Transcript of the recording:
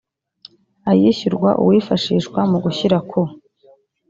ayishyurwa uwifashishwa mu gushyira ku